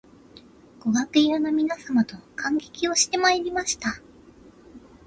ご学友の皆様と観劇をしてまいりました